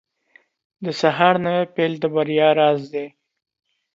• د سهار نوی پیل د بریا راز دی.